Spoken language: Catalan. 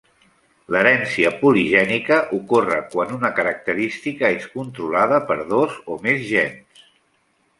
L'herència poligènica ocorre quan una característica és controlada per dos o més gens.